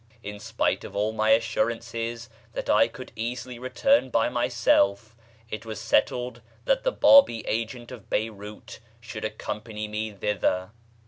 In spite of all my assurances that I could easily return by myself, it was settled that the Bábí agent of Beyrout should accompany me thither.